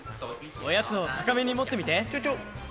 おやつを高めに持ってみて。